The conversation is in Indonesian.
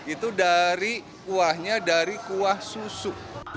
itu dari kuahnya dari kuah susu